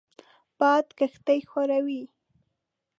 باد کښتۍ ښوروي